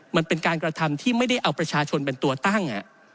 มันเป็นการกระทำที่ไม่ได้เอาประชาชนเป็นตัวตั้ง